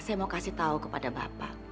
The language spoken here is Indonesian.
saya mau kasih tahu kepada bapak